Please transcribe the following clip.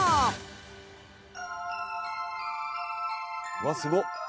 「うわっすごっ！」